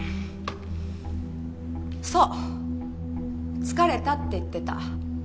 そう疲れたって言ってた。